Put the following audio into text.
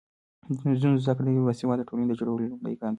د نجونو زده کړه د یوې باسواده ټولنې د جوړولو لومړی ګام دی.